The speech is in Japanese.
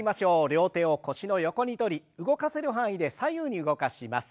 両手を腰の横にとり動かせる範囲で左右に動かします。